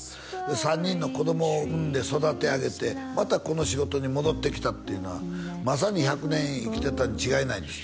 ３人の子供を産んで育て上げてまたこの仕事に戻ってきたっていうのはまさに１００年生きてたに違いないんです